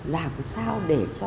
làm sao để cho